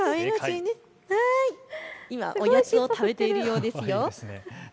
今おやつを食べているようですよ。